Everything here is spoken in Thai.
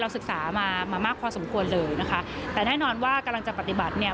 ศึกษามามามากพอสมควรเลยนะคะแต่แน่นอนว่ากำลังจะปฏิบัติเนี่ย